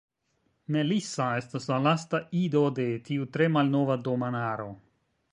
Melissa estas la lasta ido de tiu tre malnova domanaro.